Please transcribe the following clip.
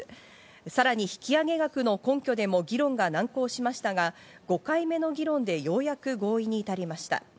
さらに引き上げ額の根拠でも議論が難航しましたが、５回目の議論でようやく合意に至りました。